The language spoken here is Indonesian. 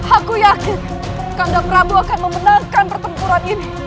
aku yakin kandang rambu akan memenangkan pertempuran ini